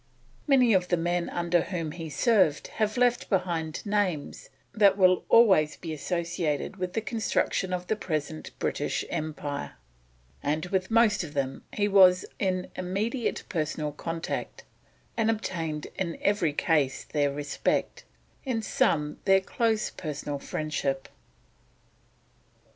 Many of the men under whom he served have left behind names that will always be associated with the construction of the present British Empire, and with most of them he was in immediate personal contact, and obtained in every case their respect, in some their close personal friendship.